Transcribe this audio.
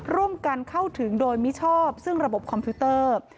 ร่วมกันเข้าถึงโดยมิชอบซึ่งระบบคอมพิวเตอร์